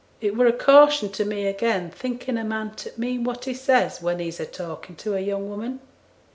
It were a caution to me again thinking a man t' mean what he says when he's a talking to a young woman.'